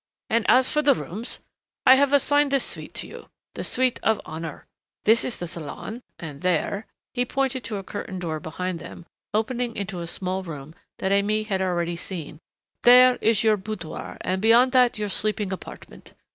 And as for the rooms I have assigned this suite to you, the suite of honor. This is the salon, and there," he pointed to a curtained door behind them, opening into a small room that Aimée had already seen, "there is your boudoir and beyond that, your sleeping apartment.